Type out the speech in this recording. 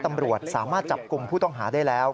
ตำรวจสามารถจับกลุ่มผู้ต้องหาได้แล้ว